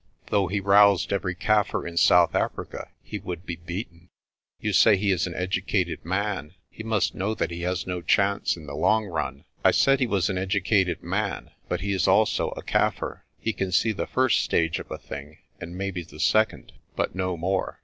"Though he roused every Kaffir in South Africa he would be beaten. You say he is an educated man. He must know he has no chance in the long run." "I said he was an educated man, but he is also a Kaffir. He can see the first stage of a thing, and maybe the second, but no more.